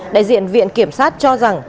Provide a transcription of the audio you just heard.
đại diện viện kiểm sát cho rằng